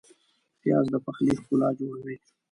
پیاز د پخلي ښکلا جوړوي